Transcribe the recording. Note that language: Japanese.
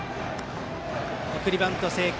送りバント成功。